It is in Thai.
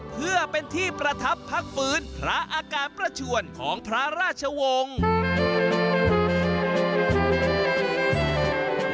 เพื่อเป็นที่ประทับพักฟื้นพระอาการประชวนของพระราชวงศ์